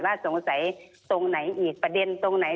สงสัยตรงไหนอีกประเด็นตรงไหน